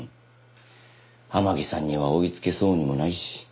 天樹さんには追い付けそうにもないし。